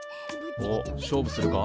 おっ勝負するか？